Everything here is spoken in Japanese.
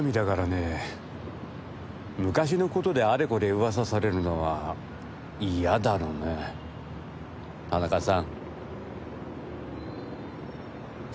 昔の事であれこれ噂されるのは嫌だろうね田中さん。